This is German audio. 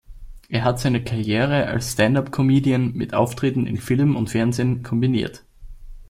Er hat seine Karriere als „stand-up-Comedian“ mit Auftritten in Film und Fernsehen kombiniert.